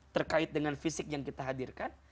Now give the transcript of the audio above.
terkait dengan fisik yang kita hadirkan